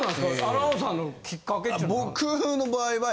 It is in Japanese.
アナウンサーのきっかけってのは？